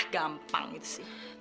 gampang gitu sih